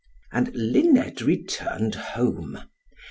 And Luned returned home.